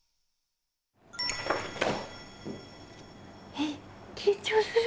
えっ緊張する。